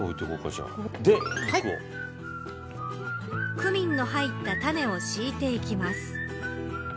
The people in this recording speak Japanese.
クミンの入ったたねを敷いていきます。